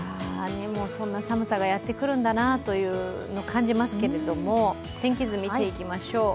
もうそんな寒さがやってくるんだなというのを感じますけれども、天気図を見ていきましょう。